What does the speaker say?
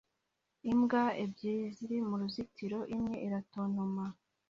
Imbwa ebyiri ziri muruzitiro imwe iratontoma